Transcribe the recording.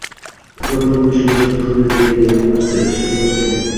Uxlab qolibman, shunga jaxl qildi, dedi yong`oqlarni idishga solarkan